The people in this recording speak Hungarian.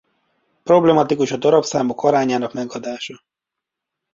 Problematikus a darabszámok arányának megadása.